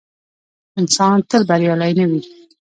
انسان تل بریالی نه وي.